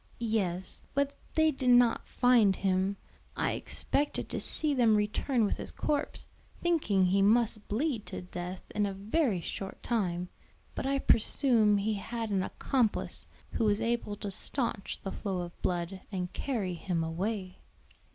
"Yes; but they did not find him. I expected to see them return with his corpse, thinking he must bleed to death in a very short time. But I presume he had an accomplice who was able to stanch the flow of blood and carry him away."